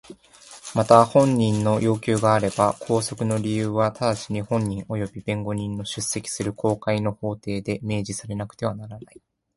また本人の要求があれば拘束の理由は直ちに本人および弁護人の出席する公開の法廷で明示されなくてはならない。